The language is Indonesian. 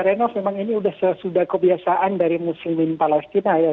renov memang ini sudah kebiasaan dari muslimin palestina ya